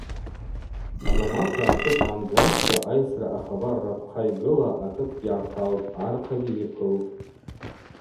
Азаматргӏа акыт йгӏамдзаскӏва, айсра ахабар рапхъа йгыла, акытгьи йгӏаталтӏ, архъагьи йыквылтӏ.